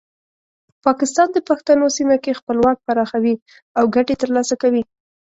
پاکستان د پښتنو سیمه کې خپل واک پراخوي او ګټې ترلاسه کوي.